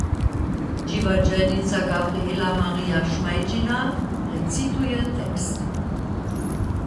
Dźiwadźelnica Gabriela-Marija Šmajdźina recituje tekst.